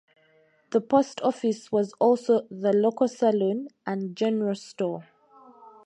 The post office was also the local saloon and general store.